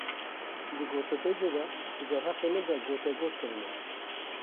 Di gotûbêjê de di derheqê min de gotegot kirine.